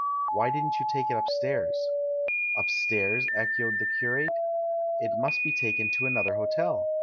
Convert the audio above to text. "Why didn't you take it upstairs?" "Upstairs?" echoed the curate. "It must be taken to another hotel!